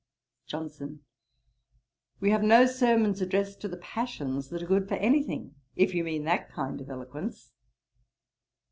JOHNSON. 'We have no sermons addressed to the passions that are good for any thing; if you mean that kind of eloquence.'